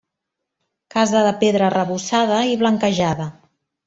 Casa de pedra arrebossada i blanquejada.